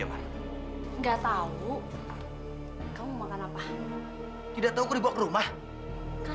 nanti ke orang tua nyariin gimana